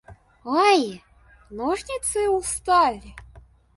Ой, ножницы устали!